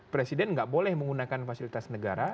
presiden nggak boleh menggunakan fasilitas negara